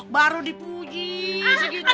baru dipuji segitu